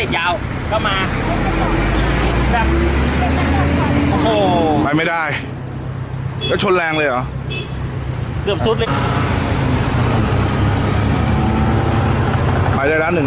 จากสะพานผมก็มาเบาเบาเพราะเขาจะถึงไฟแดงใช่ไหมพี่